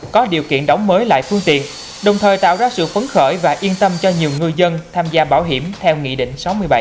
tàu mới lại phương tiện đồng thời tạo ra sự phấn khởi và yên tâm cho nhiều ngư dân tham gia bảo hiểm theo nghị định sáu mươi bảy